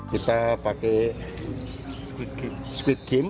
kita pakai squid game